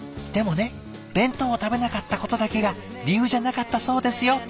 でもね弁当を食べなかったことだけが理由じゃなかったそうですよ